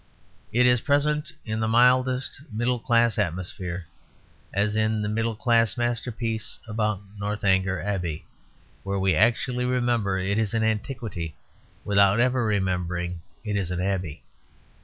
It is present in the mildest middle class atmosphere; as in the middle class masterpiece about "Northanger Abbey," where we actually remember it is an antiquity, without ever remembering it is an abbey.